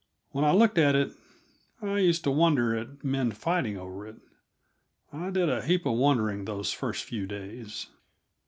When I looked at it, I used to wonder at men fighting over it. I did a heap of wondering, those first few days.